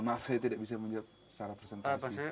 maaf saya tidak bisa menjawab secara presentasi